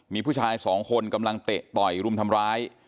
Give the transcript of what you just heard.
มีผู้ชายสองคนกำลังเตะต่อยรุมทำร้าย